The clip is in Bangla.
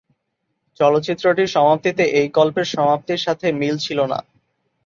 চলচ্চিত্রটির সমাপ্তিতে এই গল্পের সমাপ্তির সাথে মিল ছিল না।